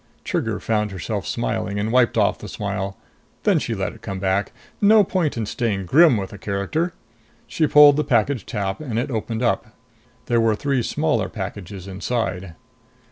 Trigger found herself smiling and wiped off the smile. Then she let it come back. No point in staying grim with the character! She pulled the package tab and it opened up. There were three smaller packages inside.